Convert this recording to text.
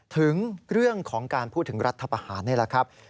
ถึงเรื่องของการพูดถึงรัฐประหารนี่แหละครับ